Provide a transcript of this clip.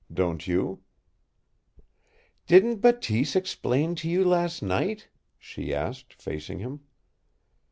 Don't you?" "Didn't Bateese explain to you last night?" she asked, facing him.